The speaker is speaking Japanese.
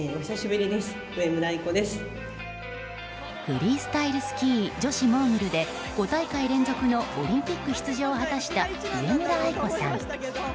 フリースタイルスキー女子モーグルで５大会連続のオリンピック出場を果たした上村愛子さん。